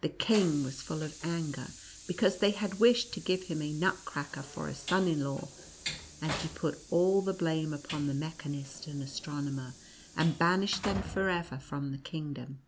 The king was full of anger, because they had wished to give him a Nut cracker for a son in law, and he put all the blame upon the mechanist and astronomer, and banished them forever from the kingdom.